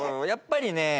やっぱりね。